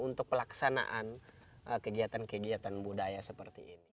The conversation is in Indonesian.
untuk pelaksanaan kegiatan kegiatan budaya seperti ini